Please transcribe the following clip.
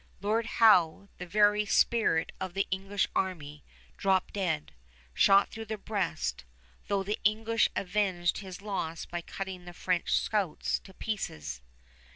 Lord Howe, the very spirit of the English army, dropped dead, shot through the breast, though the English avenged his loss by cutting the French scouts to pieces.